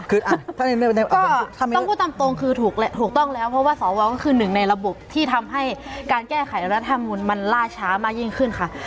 คือถ้าพูดตามตรงคือถูกต้องแล้วเพราะว่าสวก็คือหนึ่งในระบบที่ทำให้การแก้ไขรัฐธรรมนุนมันล่าช้ามากยิ่งขึ้นค่ะ